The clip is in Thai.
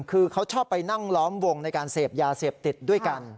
คือเขาชอบไปนั่งล้อมวงในการเสพยาเสพติดด้วยกัน